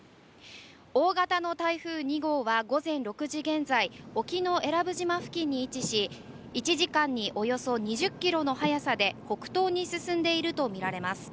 大型の台風２号は午前６時現在沖永良部島付近に位置し１時間におよそ２０キロの速さで北東に進んでいるものとみられます。